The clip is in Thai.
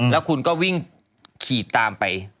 แล้วคุณก็วิ่งขี่ตามไป